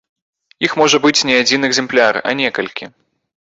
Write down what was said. Іх можа быць не адзін экзэмпляр, а некалькі.